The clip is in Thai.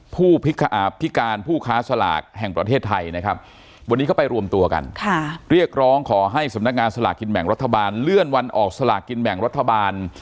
ผู้พิการผู้ค้าสลากแห่งประเทศไทยนะครับวันนี้เขาไปรวมตัวกันเรียกร้องขอให้สำนักงานสลากกินแบ่งรัฐบาลเลื่อนวันออกสลากกินแบ่งรัฐบาล